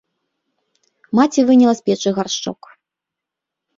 Маці выняла з печы гаршчок.